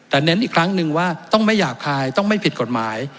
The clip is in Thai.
แต่เน้นอีกครั้งหนึ่งว่าต้องไม่หยาบคายต้องไม่ผิดกฎหมาย